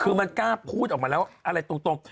คือมันกล้าพูดออกมาแล้วอะไรตรง